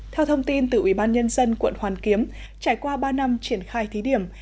theo thông tin từ ủy ban nhân dân quận hoàn kiếm trải qua ba năm triển khai thí điểm